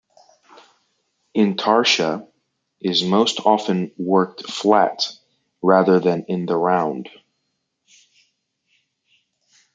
Intarsia is most often worked flat, rather than in the round.